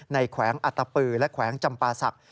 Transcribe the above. แขวงอัตตปือและแขวงจำปาศักดิ์